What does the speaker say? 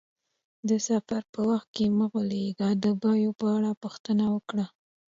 د سفر په وخت کې مه غولیږه، د بیو په اړه پوښتنه وکړه.